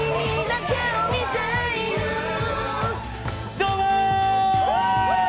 どうも！